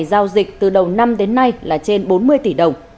giao dịch từ đầu năm đến nay là trên bốn mươi tỷ đồng